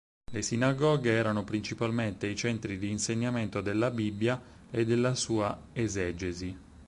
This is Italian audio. Le sinagoghe erano principalmente i centri di insegnamento della Bibbia e della sua esegesi.